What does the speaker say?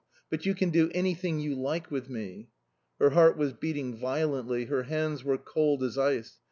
But you can do anything you like with me." Her heart was beating violently, her hands were cold as ice.